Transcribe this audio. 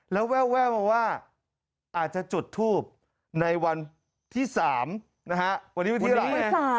แล้วแว่วว่าอาจจะจุดทูปในวันที่สามวันนี้วันที่สาม